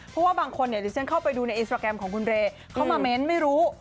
เพราะว่าบางคนเนี่ยดิฉันเข้าไปดูในอินสตราแกรมของคุณเรย์เข้ามาเม้นไม่รู้